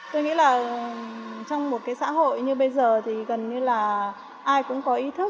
tôi nghĩ là trong một cái xã hội như bây giờ thì gần như là ai cũng có ý thức